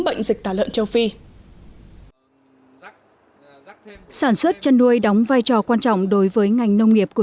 bệnh dịch tả lợn châu phi sản xuất chăn nuôi đóng vai trò quan trọng đối với ngành nông nghiệp của